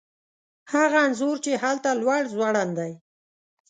هغه انځور چې هلته لوړ ځوړند دی